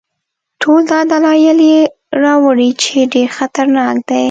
ټول دا دلایل یې راوړي چې ډېر خطرناک دی.